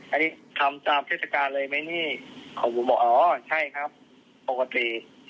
อันนี้ทำตามเทศกาลเลยไหมนี่ของผมบอกอ๋อใช่ครับปกติ